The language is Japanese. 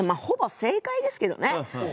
ほぼ正解ですけどね。